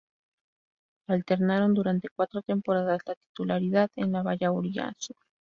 Alternaron durante cuatro temporadas la titularidad en la valla auriazul.